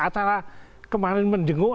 acara kemarin mendenguk